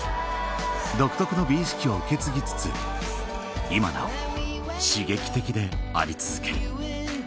独特の美意識を受け継ぎつつ今なお刺激的であり続ける